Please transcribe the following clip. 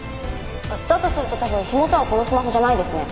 だとすると多分火元はこのスマホじゃないですね。